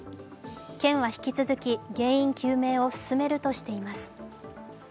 県は引き続き原因究明を進めるとしています。